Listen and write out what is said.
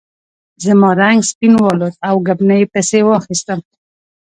زما رنګ سپین والوت او ګبڼۍ پسې واخیستم.